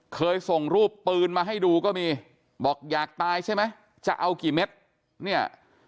เคยส่งรูปปืนมาให้ดูก็มีบอกอยากตายใช่ไหมจะเอากี่เม็ดเนี่ย